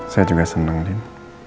saya juga seneng lin